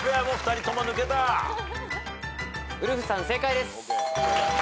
ウルフさん正解です。